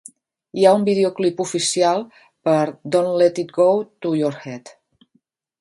Hi ha un videoclip oficial per a "Don't Let It Go to Your Head".